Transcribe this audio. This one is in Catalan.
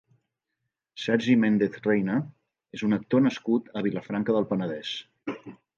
Sergi Méndez Reina és un actor nascut a Vilafranca del Penedès.